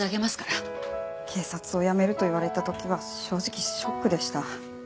警察を辞めると言われた時は正直ショックでした。